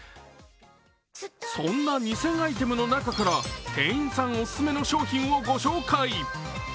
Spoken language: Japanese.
そんな２０００アイテムの中から店員さんオススメの商品をご紹介。